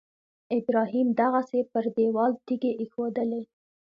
ابراهیم دغسې پر دېوال تیږې ایښودلې.